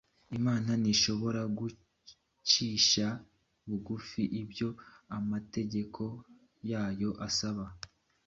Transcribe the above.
Imana ntishobora gucisha bugufi ibyo amategeko yayo asaba